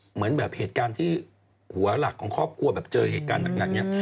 เหมือนเหตุการณ์ที่หัวหลักของครอบครัวเจอเหตุการณ์จากนั้น